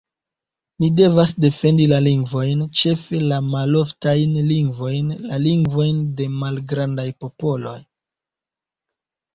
Ni devas defendi la lingvojn, ĉefe la maloftajn lingvojn, la lingvojn de malgrandaj popolo.